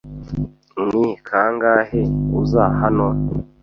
Ni kangahe uza hano?